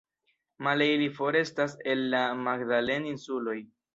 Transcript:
Male ili forestas el la Magdalen-Insuloj.